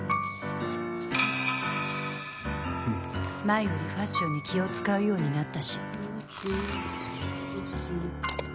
前よりファッションに気を使うようになったし。